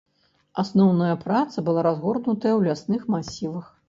Асноўная праца была разгорнутая ў лясных масівах.